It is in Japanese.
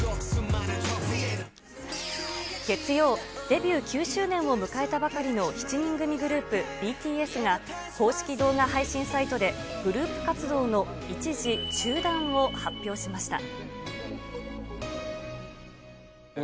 デビュー９周年を迎えたばかりの７人組グループ、ＢＴＳが、公式動画配信サイトで、グループ活動の一時中断を発表しました。